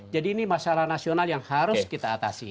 jadi ini masalah nasional yang harus kita atasi